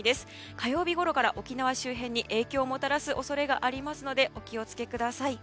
火曜日ごろから沖縄周辺に影響をもたらす恐れがありますのでお気をつけください。